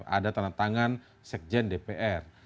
ada tanda tangan serta tanda tangan yang dikirimkan ini resmi dari dpr